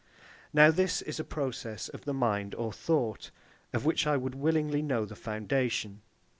Now this is a process of the mind or thought, of which I would willingly know the foundation.